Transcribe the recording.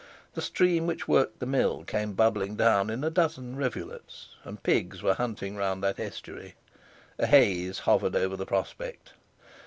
The stream which worked the mill came bubbling down in a dozen rivulets, and pigs were hunting round that estuary. A haze hovered over the prospect.